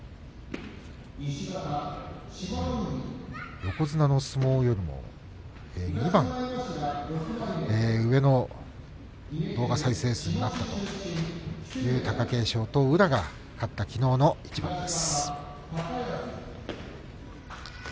横綱の相撲よりも２番上の動画再生数になったという貴景勝と宇良が勝ったきのうの一番です。